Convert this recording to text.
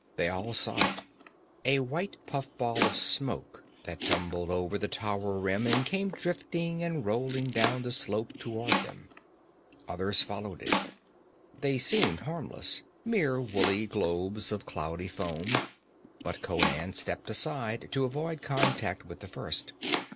They all saw it a white puffball of smoke that tumbled over the tower rim and came drifting and rolling down the slope toward them. Others followed it. They seemed harmless, mere woolly globes of cloudy foam, but Conan stepped aside to avoid contact with the first.